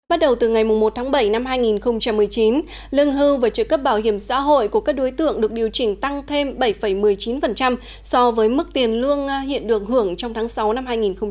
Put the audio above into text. bắt đầu từ ngày một tháng bảy năm hai nghìn một mươi chín lương hưu và trợ cấp bảo hiểm xã hội của các đối tượng được điều chỉnh tăng thêm bảy một mươi chín so với mức tiền lương hiện được hưởng trong tháng sáu năm hai nghìn một mươi chín